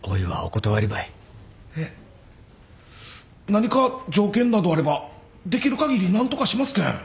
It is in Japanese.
何か条件などあればできるかぎり何とかしますけん。